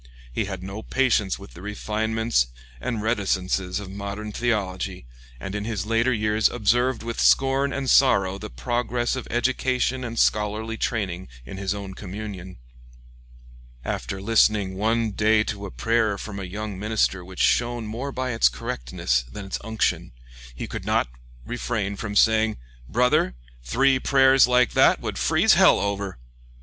He had no patience with the refinements and reticences of modern theology, and in his later years observed with scorn and sorrow the progress of education and scholarly training in his own communion. After listening one day to a prayer from a young minister which shone more by its correctness than its unction, he could not refrain from saying, "Brother , three prayers like that would freeze hell over!"